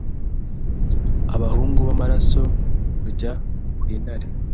Abahungu bamaraso kurya kwintare